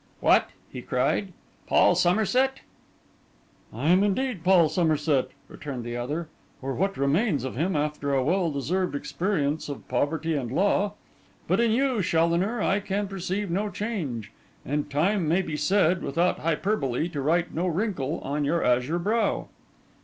'What!' he cried, 'Paul Somerset!' 'I am indeed Paul Somerset,' returned the other, 'or what remains of him after a well deserved experience of poverty and law. But in you, Challoner, I can perceive no change; and time may be said, without hyperbole, to write no wrinkle on your azure brow.